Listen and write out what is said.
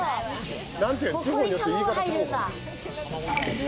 ここに卵が入るんだ。